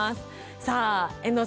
さあ遠藤さん